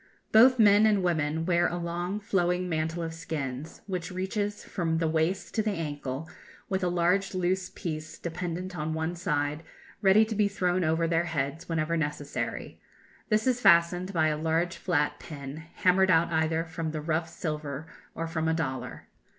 Both men and women wear a long flowing mantle of skins, which reaches from the waist to the ankle, with a large loose piece dependent on one side, ready to be thrown over their heads whenever necessary; this is fastened by a large flat pin, hammered out either from the rough silver or from a dollar.